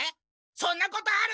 そんなことある！